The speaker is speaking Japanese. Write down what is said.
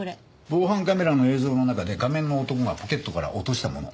防犯カメラの映像の中で仮面の男がポケットから落としたもの。